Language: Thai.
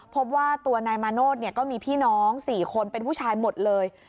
พบว่าตัวนายมาโนธก็มีพี่น้อง๔คนเป็นผู้ชายหมดเลย